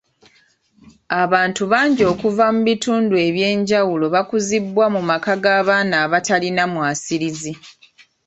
Abantu bangi okuva mu bitundu ebyenjawulo bakuzibwa mu maka g'abaana abatalina mwasiriza.